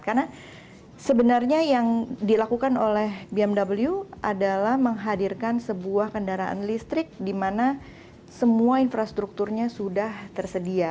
karena sebenarnya yang dilakukan oleh bmw adalah menghadirkan sebuah kendaraan listrik di mana semua infrastrukturnya sudah tersedia